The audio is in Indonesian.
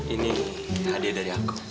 ini hadiah dari aku